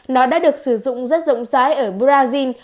nó đã được sử dụng rất rộng rãi ở brazil